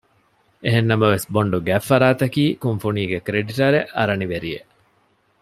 އެހެންނަމަވެސް ބޮންޑު ގަތްފަރާތަކީ ކުންފުނީގެ ކްރެޑިޓަރެއް އަރަނިވެރި އެއް